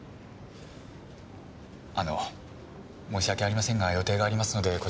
あの申し訳ありませんが予定がありますのでこちらで。